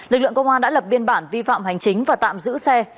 lực lượng công an đã lập biên bản vi phạm hành chính và tạm giữ xe